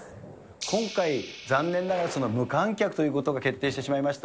今回、残念ながら無観客ということが決定してしまいました。